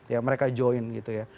ya mereka join gitu ya